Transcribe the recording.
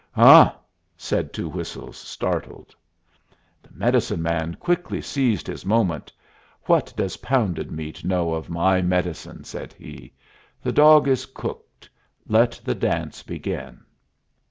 "Huh!" said Two Whistles, startled. The medicine man quickly seized his moment. "What does Pounded Meat know of my medicine?" said he. "The dog is cooked. Let the dance begin."